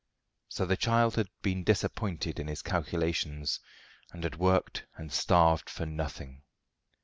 So the child had been disappointed in his calculations, and had worked and starved for nothing.